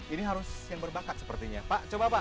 ini harus yang berbakat sepertinya pak coba pak